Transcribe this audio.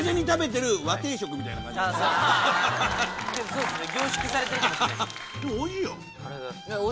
そうっすね。